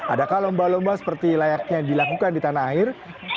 adakah lomba lomba seperti layaknya dilakukan di tanah air